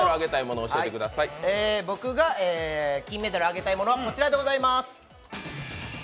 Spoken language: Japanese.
僕が金メダルをあげたいものは、こちらです。